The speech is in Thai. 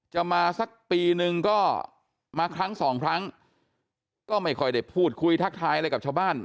จะมาสักปีนึงก็มาครั้งสองครั้งก็ไม่ค่อยได้พูดคุยทักทายอะไรกับชาวบ้าน